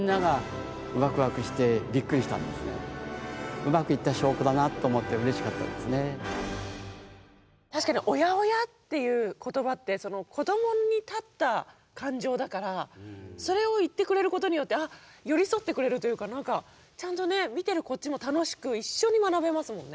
うまくいった証拠だなと思って確かに「おやおや」っていう言葉って子どもに立った感情だからそれを言ってくれることによってあっ寄り添ってくれるというか何かちゃんとね見てるこっちも楽しく一緒に学べますもんね。